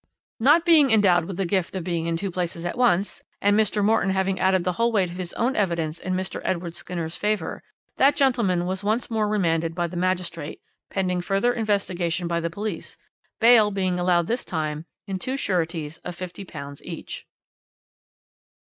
"Not being endowed with the gift of being in two places at once, and Mr. Morton having added the whole weight of his own evidence in Mr. Edward Skinner's favour, that gentleman was once more remanded by the magistrate, pending further investigation by the police, bail being allowed this time in two sureties of £50 each."